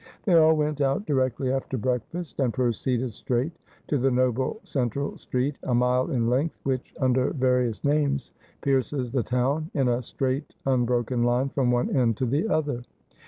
They all went out directly after breakfast, and proceeded straight to the noble central street, a mile in length, which under various names pierces the town in a straight unbroken line from one end to the other.